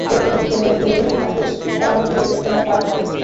রঘুপতি কহিলেন, দেবীর আদেশ পালন করিতে কোনো পাপ নাই।